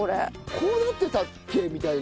こうなってたっけ？みたいな。